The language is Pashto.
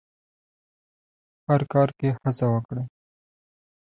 هر کار کې هڅه وکړئ.